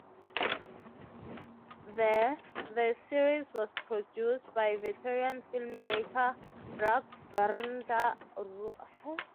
The The series was produced by Veteran filmmaker Raghavendra Rao.